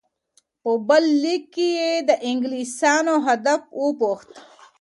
په بل لیک کې یې د انګلیسانو هدف وپوښت.